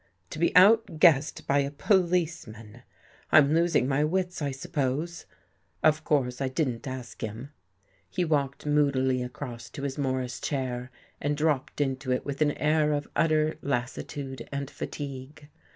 To be out guessed by a policeman ! I'm losing my wits, I sup pose. Of course I didn't ask him." He walked moodily across to his Morris chair and dropped into it with an air of utter lassitude and fatigue.